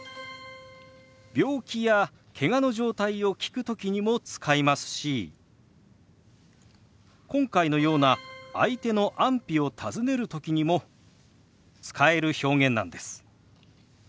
病気やけがの状態を聞く時にも使いますし今回のような相手の安否を尋ねる時にも使える表現なんです。